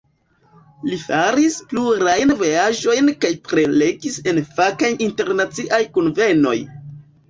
Li faris plurajn vojaĝojn kaj prelegis en fakaj internaciaj kunvenoj.